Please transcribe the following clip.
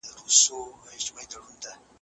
څه شی ویزه له لوی ګواښ سره مخ کوي؟